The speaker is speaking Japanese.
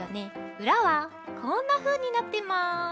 うらはこんなふうになってます。